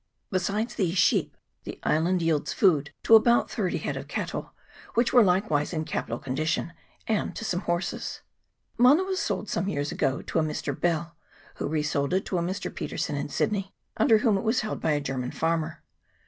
Besides these sheep the island yields food to about thirty head of cattle, which were likewise in capital condition, and to some horses. Mana was sold some years ago to a Mr. Bell, who resold it to a Mr. Petersen in Sydney, under whom it was held by a German farmer.